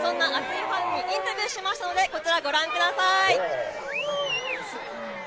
そんな熱いファンにインタビューしましたので、こちらご覧ください。